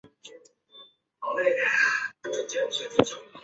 粮食自给率是一项评估国家粮食自给程度的指标。